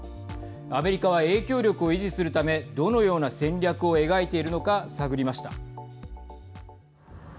アメリカは影響力を維持するためどのような戦略を描いているのか探りました。